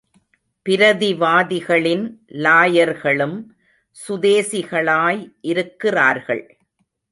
பிரதிவாதிகளின் லாயர்களும் சுதேசிகளாய் இருக்கிறார்கள்.